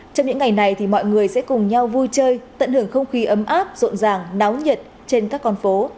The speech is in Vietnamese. trong những ngày này thì mọi người sẽ cùng nhau vui chơi tận hưởng không khí ấm áp rộn ràng náo nhiệt trên các con phố